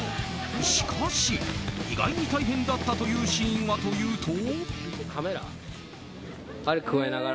しかし意外に大変だったというシーンはというと。